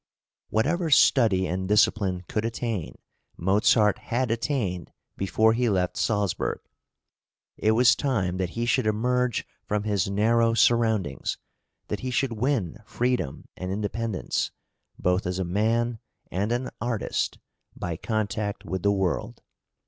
Whatever study and discipline could attain, Mozart had attained before he left Salzburg; it was time that he should emerge from his narrow surroundings, that he should win freedom and independence, both as a man and an artist, by contact with the world.